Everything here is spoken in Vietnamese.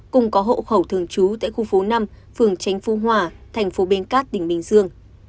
cùng có hộ khẩu thường trú tại khu phố năm phường tránh phu hòa thành phố bến cát tỉnh bình dương